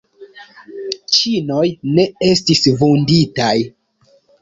Ĉinoj ne estis vunditaj.